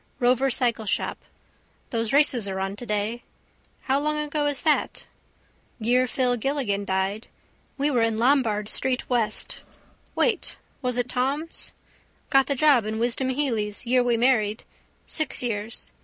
Rover cycleshop. Those races are on today. How long ago is that? Year Phil Gilligan died. We were in Lombard street west. Wait: was in Thom's. Got the job in Wisdom Hely's year we married. Six years.